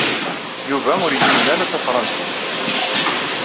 Yuba ur yessin ara tafṛansist.